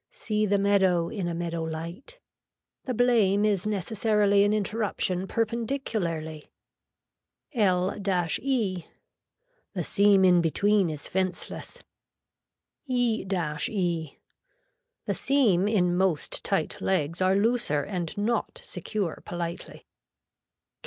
See the meadow in a meadow light. The blame is necessarily an interruption perpendicularly. L E. The seam in between is fenceless. E E. The seam in most tight legs are looser and not secure politely.